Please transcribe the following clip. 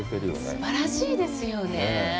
すばらしいですよね。